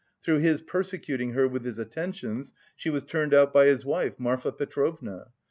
Through his persecuting her with his attentions, she was turned out by his wife, Marfa Petrovna.